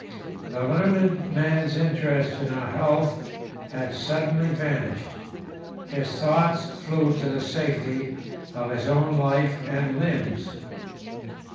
The learned man's interest in our health had suddenly vanished; his thoughts flew to the safety of his own life and limbs.